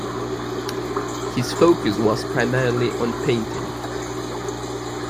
His focus was primarily on painting.